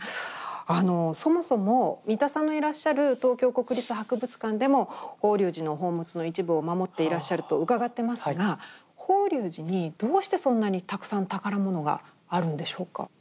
そもそも三田さんのいらっしゃる東京国立博物館でも法隆寺の宝物の一部を守っていらっしゃると伺ってますが法隆寺にどうしてそんなにたくさん宝物があるんでしょうか。